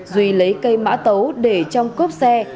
duy lấy cây mã tấu để trong cốp xe